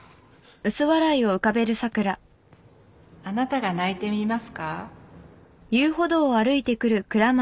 あなたが泣いてみますか？